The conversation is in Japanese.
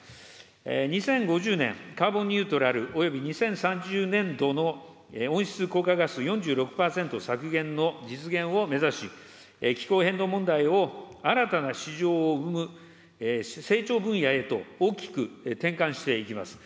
２０５０年カーボンニュートラルおよび２０３０年度の温室効果ガス４６％削減の実現を目指し、気候変動問題を新たな市場を生む成長分野へと大きく転換していきます。